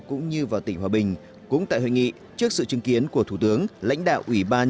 cũng như vào tỉnh hòa bình cũng tại hội nghị trước sự chứng kiến của thủ tướng lãnh đạo ủy ban